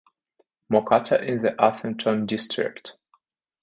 Mocatta in the Atherton district.